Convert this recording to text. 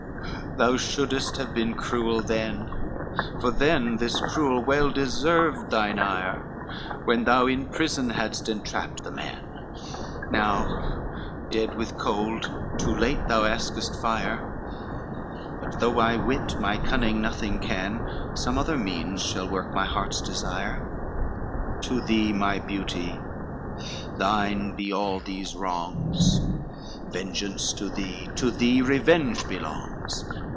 thou shouldest have been cruel than, For then this cruel well deserved thine ire, When thou in prison hadst entrapped the man, Now dead with cold, too late thou askest fire; But though my wit, my cunning nothing can, Some other means shall work my heart's desire, To thee, my beauty, thine be all these wrongs, Vengeance to thee, to thee revenge belongs.